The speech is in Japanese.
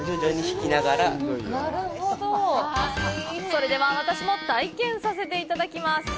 それでは私も体験させていただきます！